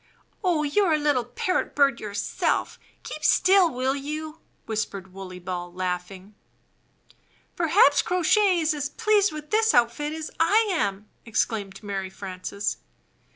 "Oh, you're a httle parrot bird yourself. Keep still, will you?" whispered Wooley Ball, laughing. "Perhaps Crow Shay is as pleased with this outfit as I am!" exclaimed Mary Frances.